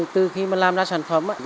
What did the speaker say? từ khi mà làm ra sản phẩm